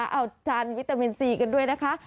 เอาจานวิตามินซีกันด้วยนะคะ